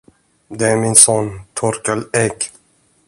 Det är min son, Torkel Ek.